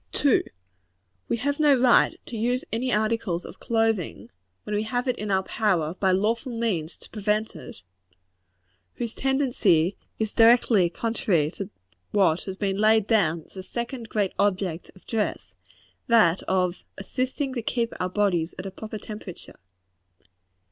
2. We have no right to use any articles of clothing when we have it in our power, by lawful means, to prevent it whose tendency is directly contrary to what has been laid down as the second great object of dress, that of ASSISTING TO KEEP OUR BODIES AT A PROPER TEMPERATURE.